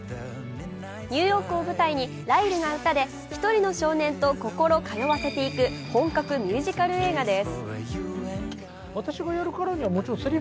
ニューヨークを舞台にライルが歌で一人の少年と心通わせていく本格ミュージカル映画です。